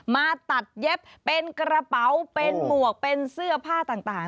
มาตัดเย็บเป็นกระเป๋าเป็นหมวกเป็นเสื้อผ้าต่าง